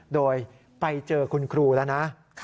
โดยไปเจอคุณครูแล้วนะ